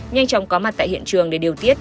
nhanh chóng có mặt tại hiện trường để điều tiết